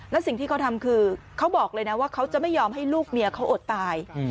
และสิ่งที่เขาทำคือเขาบอกเลยนะว่าเขาจะไม่ยอมให้ลูกเมียเขาอดตาย